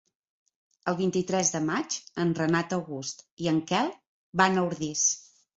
El vint-i-tres de maig en Renat August i en Quel van a Ordis.